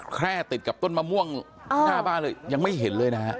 แค่ติดกับต้นมะม่วงหน้าบ้านเลยยังไม่เห็นเลยนะฮะ